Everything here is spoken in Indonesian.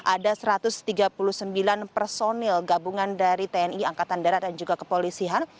ada satu ratus tiga puluh sembilan personil gabungan dari tni angkatan darat dan juga kepolisian